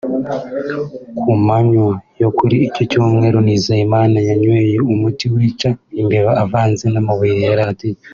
Ku manywa yo kuri iki Cyumweru Nizeyimana yanyweye umuti wica imbeba uvanze n’amabuye ya radiyo